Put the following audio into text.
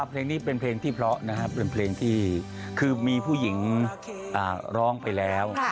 เพลงนี้เป็นเพลงที่เพราะนะครับเป็นเพลงที่คือมีผู้หญิงร้องไปแล้ว